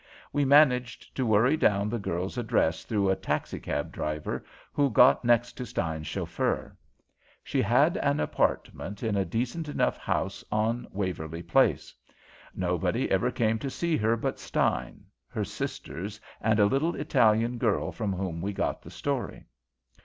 We managed to worry down the girl's address through a taxi cab driver who got next to Stein's chauffeur. She had an apartment in a decent enough house on Waverly Place. Nobody ever came to see her but Stein, her sisters, and a little Italian girl from whom we got the story.